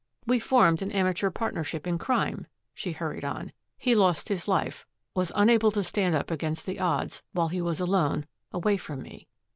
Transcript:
"We formed an amateur partnership in crime," she hurried on. "He lost his life, was unable to stand up against the odds, while he was alone, away from me.